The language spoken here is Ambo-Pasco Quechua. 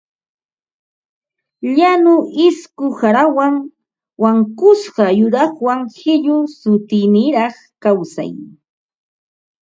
Llañu isku qarawan wankusqa yuraqwan qillu suytuniraq kawsay